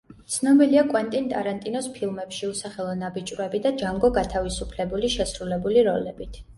ცნობილია კვენტინ ტარანტინოს ფილმებში „უსახელო ნაბიჭვრები“ და „ჯანგო გათავისუფლებული“ შესრულებული როლებით.